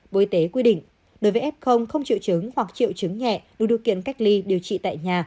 bộ y tế quy định đối với f không triệu chứng hoặc triệu chứng nhẹ đủ điều kiện cách ly điều trị tại nhà